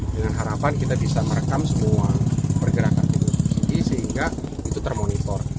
dengan harapan kita bisa merekam semua pergerakan itu sehingga itu termonitor